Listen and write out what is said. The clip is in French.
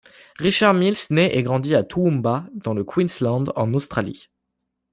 Richard Mills naît et grandit à Toowoomba, dans le Queensland en Australie.